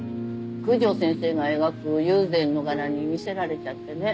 九条先生が描く友禅の柄に魅せられちゃってね。